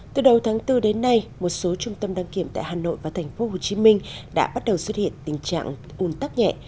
từ đầu tháng bốn đến nay một số trung tâm đăng kiểm tại hà nội và thành phố hồ chí minh đã bắt đầu xuất hiện tình trạng ùn tắc nhẹ